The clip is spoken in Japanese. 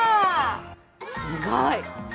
すごい！